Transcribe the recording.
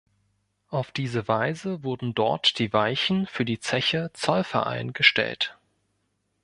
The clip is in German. Auf diese Weise wurden dort die Weichen für die Zeche Zollverein gestellt.